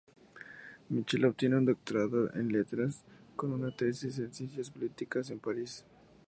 Michel obtiene un doctorado en letras con una tesis en ciencias políticas en París.